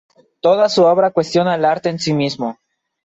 Toda su obra cuestiona el arte en sí mismo.